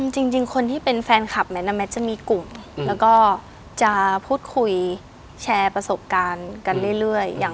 จริงคนที่เป็นแฟนคลับแมทแมทจะมีกลุ่มแล้วก็จะพูดคุยแชร์ประสบการณ์กันเรื่อย